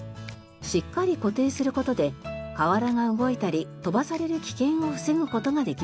しっかり固定する事で瓦が動いたり飛ばされる危険を防ぐ事ができます。